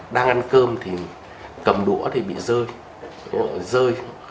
đang ăn cơm thì cầm đũa thì bị rơi